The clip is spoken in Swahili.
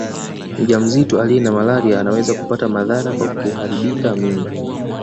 Mjamzito aliye na malaria anaweza kupata madhara kwa kuharibika mimba